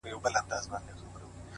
o د دوى دا هيله ده،